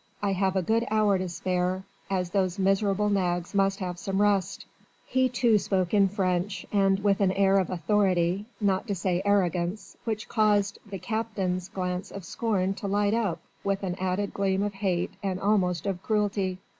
I have a good hour to spare, as those miserable nags must have some rest." He too spoke in French and with an air of authority, not to say arrogance, which caused "the Captain's" glance of scorn to light up with an added gleam of hate and almost of cruelty.